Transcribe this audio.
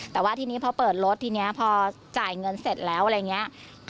แต่ว่าทีนี้พอเปิดรถทีนี้พอจ่ายเงินเสร็จแล้วอะไรอย่างนี้